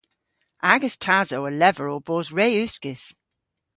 Agas tasow a lever ow bos re uskis.